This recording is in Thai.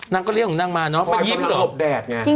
นางก็เรียกหนูนั่งมาเนอะไปยิ้มเหรอ